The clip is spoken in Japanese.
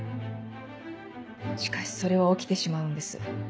しかしそれは起きてしまうんです。